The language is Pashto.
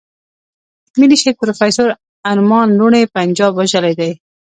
ملي شهيد پروفېسور ارمان لوڼی پنجاب وژلی دی.